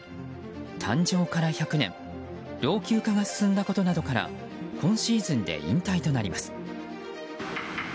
誕生から１００年老朽化が進んだことなどから今シーズンで引退となります。